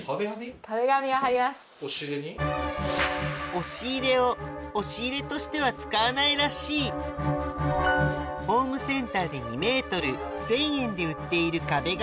押し入れを押し入れとしては使わないらしいホームセンターで２ｍ１０００円で売っている壁紙